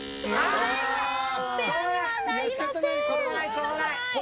しょうがない。